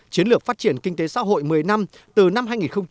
chiến lược phát triển kinh tế xã hội một mươi năm từ năm hai nghìn hai mươi một